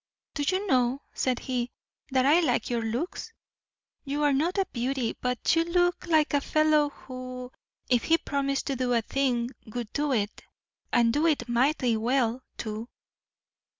"Do you know," said he, "that I like your looks? You are not a beauty, but you look like a fellow who, if he promised to do a thing, would do it and do it mighty well too."